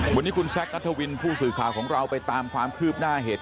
วันนี้คุณแซคนัทวินผู้สื่อข่าวของเราไปตามความคืบหน้าเหตุ